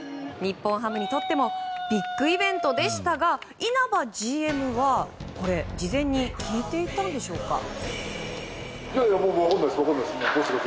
日本ハムにとってもビッグイベントでしたが稲葉ＧＭは事前に聞いていたんでしょうか。